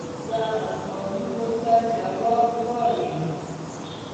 دغو سوالونو ته جواب غواړي.